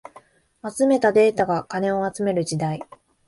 集めたデータが金を集める時代